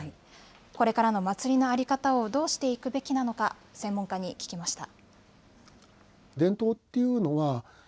これからの祭りの在り方をどうしていくべきなのか、専門家に聞きました。